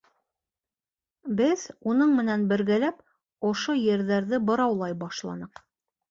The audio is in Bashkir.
Беҙ, уның менән бергәләп, ошо ерҙәрҙе быраулай башланыҡ.